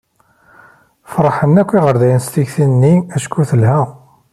Feṛḥen yakk yiɣerdayen s tikti-nni acku telha.